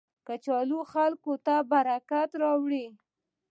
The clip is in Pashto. کچالو خلکو ته برکت راولي